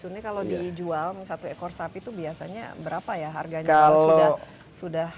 susunya kalau dijual satu ekor sapi itu biasanya berapa ya harganya